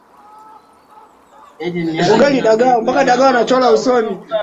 mmea huo chini ya udhibiti wa biashara ya dawa za kulevya